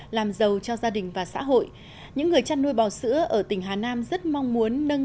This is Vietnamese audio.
làm giàu cho gia đình và xã hội những người chăn nuôi bò sữa ở tỉnh hà nam rất mong muốn nâng